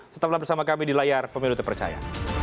setelah bersama kami di layar pemilu terpercaya